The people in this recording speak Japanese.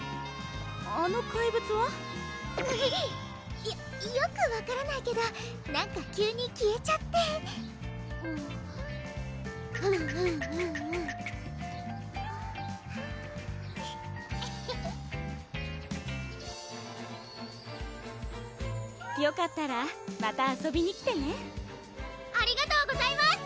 あの怪物は？よよく分からないけどなんか急に消えちゃってうんうんうんうんよかったらまた遊びに来てねありがとうございます！